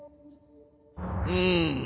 うん。